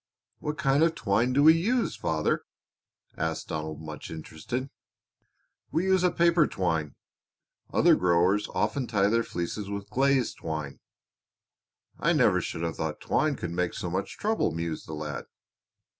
"What kind of twine do we use, father?" asked Donald, much interested. "We use a paper twine. Other growers often tie their fleeces with glazed twine." "I never should have thought twine could make so much trouble," mused the lad.